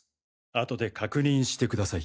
後で確認してください。